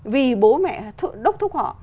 vì bố mẹ đốc thúc họ